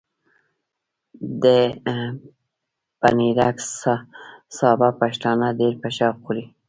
د پنېرک سابه پښتانه ډېر په شوق خوري۔